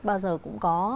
bao giờ cũng có